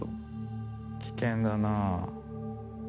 危険だな。